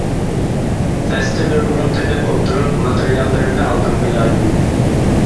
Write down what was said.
تەستە بىر ئورۇن تېپىپ ئولتۇرۇپ، ماتېرىياللىرىمنى ئالدىمغا يايدىم.